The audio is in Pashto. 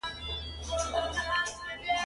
هغه وویل مهرباني به دې وي که په انګلیسي خبرې وکړې.